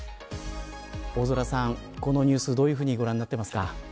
大空さん、このニュースどういうふうにご覧になっていますか。